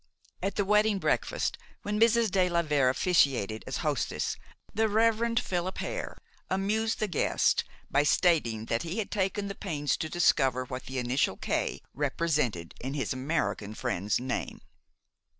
At the wedding breakfast, when Mrs. de la Vere officiated as hostess, the Rev. Philip Hare amused the guests by stating that he had taken pains to discover what the initial "K" represented in his American friend's name.